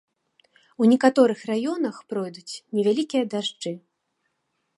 У некаторых раёнах пройдуць невялікія дажджы.